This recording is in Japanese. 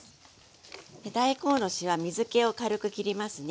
大根おろしは水けを軽くきりますね。